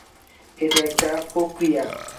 এটা একটা প্রক্রিয়া।